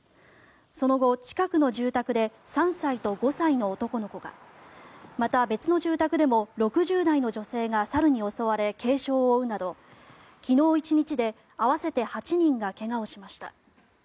その後、近くの住宅で３歳と５歳の男の子がまた、別の住宅でも６０代の女性が猿に襲われ軽傷を負うなど昨日１日で合わせて８人が怪我をしました。